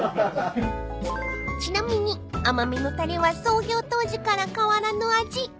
［ちなみに甘めのたれは創業当時から変わらぬ味］